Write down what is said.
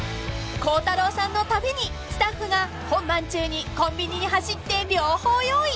［孝太郎さんのためにスタッフが本番中にコンビニに走って両方用意］